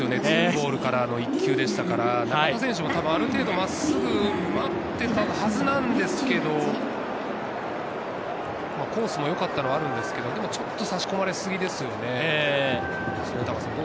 ２ボールからの一球ですから、中田選手もある程度真っすぐを待ってたはずなんですけど、コースもよかったのもあるんですけれど、ちょっと差し込まれすぎですよね。